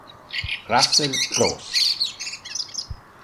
Russell Cross